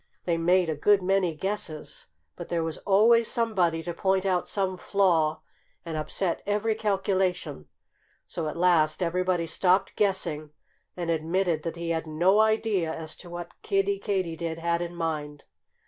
They made a good many guesses. But there was always somebody to point out some flaw and upset every calculation. So at last everybody stopped guessing and admitted that he had no idea as to what Kiddie Katydid had in mind.